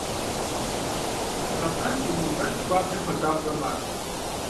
Къапхъэн темыувэным хуабжьу хуэсакъыурэ макӀуэ.